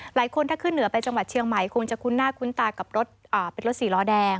หลายคนถ้าขึ้นเหนือไปจังหวัดเชียงใหม่คงจะคุ้นหน้าคุ้นตากับรถเป็นรถสีล้อแดง